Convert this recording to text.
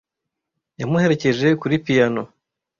Yamuherekeje kuri piyano.